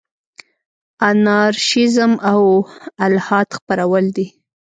انارشیزم او الحاد خپرول دي.